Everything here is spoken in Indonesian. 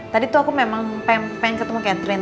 tadi tuh aku memang pengen ketemu catherine